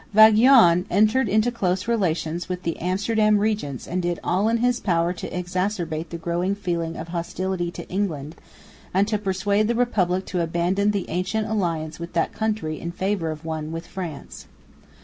Vauguyon entered into close relations with the Amsterdam regents and did all in his power to exacerbate the growing feeling of hostility to England, and to persuade the Republic to abandon the ancient alliance with that country in favour of one with France.